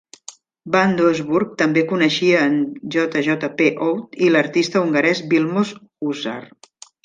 Van Doesburg també coneixia en J. J. P. Oud i l"artista hongarès Vilmos Huszár.